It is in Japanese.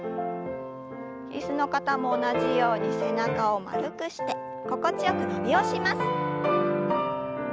椅子の方も同じように背中を丸くして心地よく伸びをします。